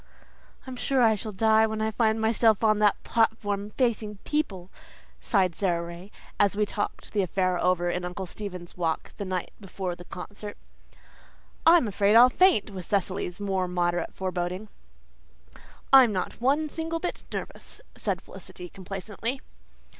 "I'm sure I shall die when I find myself up on that platform, facing people," sighed Sara Ray, as we talked the affair over in Uncle Stephen's Walk the night before the concert. "I'm afraid I'll faint," was Cecily's more moderate foreboding. "I'm not one single bit nervous," said Felicity complacently.